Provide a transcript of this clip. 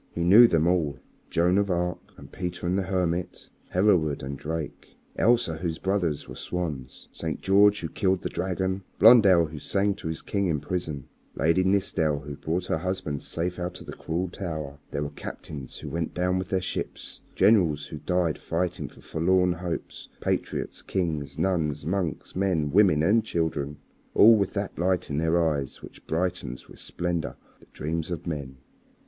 He knew them all. Joan of Arc and Peter the Hermit, Hereward and Drake, Elsa whose brothers were swans, St. George who killed the dragon, Blondel who sang to his king in prison, Lady Nithsdale who brought her husband safe out of the cruel Tower. There were captains who went down with their ships, generals who died fighting for forlorn hopes, patriots, kings, nuns, monks, men, women, and children all with that light in their eyes which brightens with splendor the dreams of men.